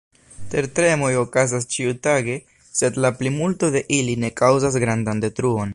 Tertremoj okazas ĉiutage, sed la plimulto de ili ne kaŭzas grandan detruon.